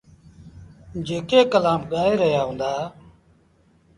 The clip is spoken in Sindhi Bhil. جيڪي ڪلآم ڳآئي رهيآ هُݩدآ۔